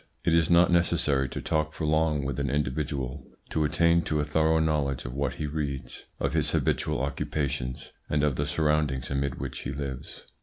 It is not necessary to talk for long with an individual to attain to a thorough knowledge of what he reads, of his habitual occupations, and of the surroundings amid which he lives."